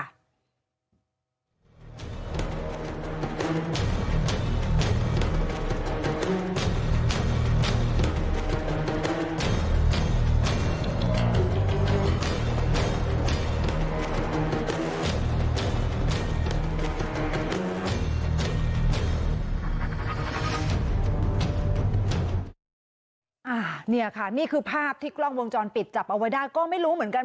เนี่ยค่ะนี่คือภาพที่กล้องวงจรปิดจับเอาไว้ได้ก็ไม่รู้เหมือนกัน